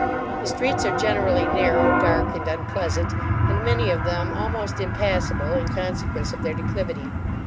The Streets are generally narrow, dark, and unpleasant, and many of them almost impassible in consequence of their declivity.